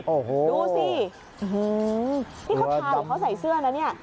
โอ้โหดูสินี่เขาทาหรือเขาใส่เสื้อนะเนี่ย